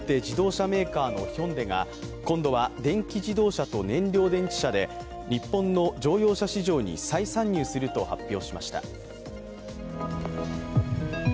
自動車メーカーのヒョンデが今度は電気自動車と燃料電池車で日本の乗用車市場に再参入すると発表しました。